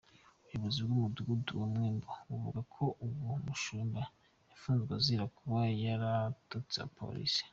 Umuyobozi w’umudugudu wa Mwendo avuga ko uwo mushumba yafunzwe azira kuba yaratutse abapolisi.